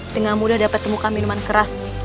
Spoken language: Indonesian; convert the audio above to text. dengan mudah dapat temukan minuman keras